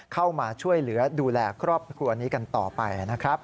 เข้ามาช่วยเหลือดูแลครอบครัวนี้กันต่อไปนะครับ